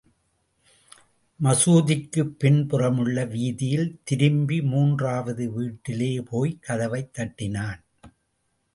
மசூதிக்குப் பின்புறமுள்ள வீதியில் திரும்பி மூன்றாவது வீட்டிலேபோய்க் கதவைத் தட்டினான்.